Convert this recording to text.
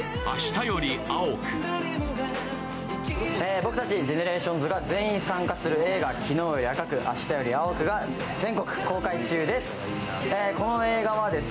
僕たちＧＥＮＥＲＡＴＩＯＮＳが全員参加する映画「昨日より赤く明日より青く」が全国公開中です。